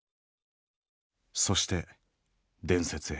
そして伝説へ。